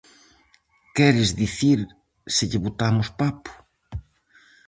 Queres dicir se lle botamos papo?